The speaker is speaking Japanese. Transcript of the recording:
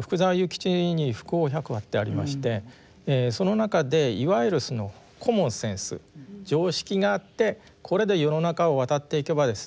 福沢諭吉に「福翁百話」ってありましてその中でいわゆるコモンセンス常識があってこれで世の中を渡っていけばですね